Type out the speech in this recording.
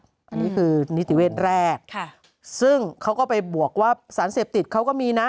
อันนี้คือนิติเวศแรกซึ่งเขาก็ไปบวกว่าสารเสพติดเขาก็มีนะ